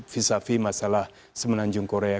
vis a vis masalah semenanjung korea